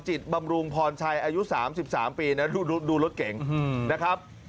บำรุงพรชัยอายุ๓๓ปีนะดูรถเก๋งนะครับ